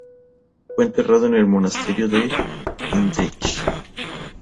Fue enterrado en el monasterio de Andechs.